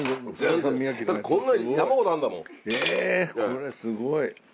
これすごい。